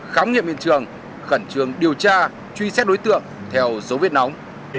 khám nghiệp miền trường khẩn trường điều tra truy xét đối tượng theo dấu viết nóng